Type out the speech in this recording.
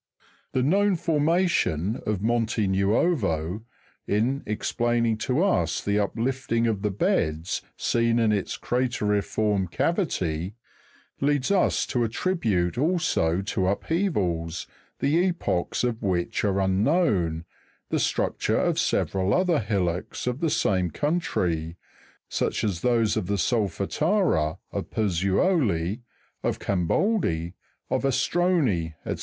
The known formation of Monte Nuovo, in explaining to us the uplifting of the beds seen in its crate'riform cavity, leads us to attribute also to upheavals, the epochs of which are unknown, the structure of several other hil locks of the same country, such as those of the solfata'ra of Puz zuoli, of Camboldi, of Astroni, &c.